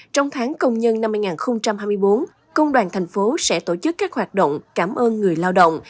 trong tháng công nhân năm hai nghìn hai mươi bốn công đoàn thành phố sẽ tổ chức các hoạt động cảm ơn người lao động